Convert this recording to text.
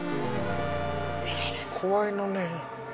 怖いのねん。